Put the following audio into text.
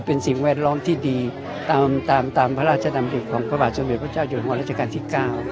เป็นสิ่งแวดล้อมที่ดีตามพระราชดำดิบของพระบาทสวมเจ้าอย่างราชการที่๙